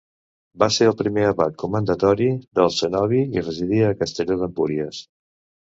Va ser el primer abat comendatari del cenobi i residia a Castelló d'Empúries.